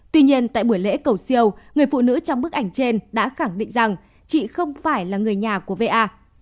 tuy nhiên tại buổi lễ cầu siêu người phụ nữ trong bức ảnh trên đã khẳng định rằng chị không phải là người nhà của va